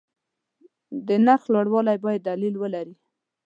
د نرخ لوړوالی باید دلیل ولري.